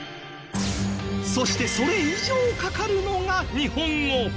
そしてそれ以上かかるのが日本語。